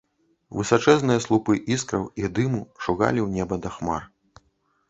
Высачэзныя слупы іскраў і дыму шугалі ў неба да хмар.